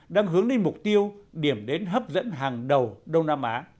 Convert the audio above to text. đang hướng đến mục tiêu điểm đến hấp dẫn hàng đầu đông nam á